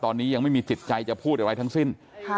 ตอนนี้ยังไม่มีจิตใจจะพูดอะไรทั้งสิ้น